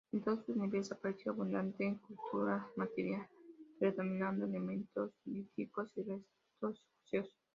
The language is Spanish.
En todos sus niveles apareció abundante cultura material, predominando elementos líticos y restos óseos.